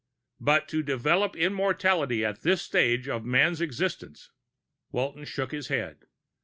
"But to develop immortality at this stage of man's existence...." Walton shook his head.